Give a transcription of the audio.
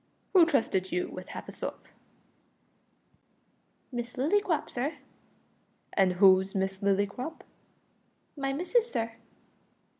"Who trusted you with half a sov?" "Miss Lillycrop, sir." "And who's Miss Lillycrop?" "My missis, sir."